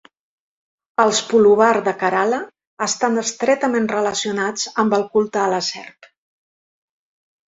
Els pulluvar de Kerala estan estretament relacionats amb el culte a la serp.